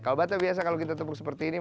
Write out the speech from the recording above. kalau bata biasa kalau kita tepuk seperti ini